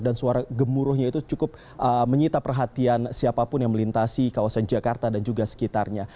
dan suara gemuruhnya itu cukup menyita perhatian siapapun yang melintasi kawasan jakarta dan juga sekitarnya